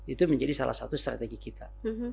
itu menjadi salah satu strategi kita